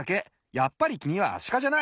やっぱりきみはアシカじゃない。